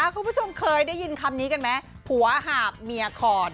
คุณผู้ชมเคยได้ยินคำนี้กันไหมหัวหาบเมียคอน